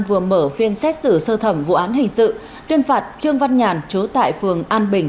vừa mở phiên xét xử sơ thẩm vụ án hình sự tuyên phạt trương văn nhàn chú tại phường an bình